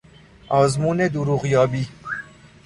آزمون دروغیابی